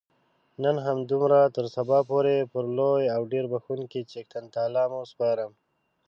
نن همدومره تر سبا پورې پر لوی او ډېر بخښونکي څښتن تعالا مو سپارم.